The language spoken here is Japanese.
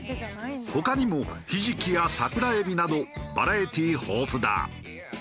他にもひじきや桜えびなどバラエティー豊富だ。